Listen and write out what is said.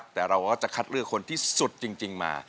แต่เราก็จะคัดเลือกคนที่สุดจริงมา